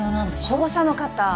保護者の方